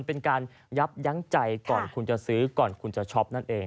เป็นการยับยั้งใจก่อนคุณจะซื้อก่อนคุณจะช็อปนั่นเอง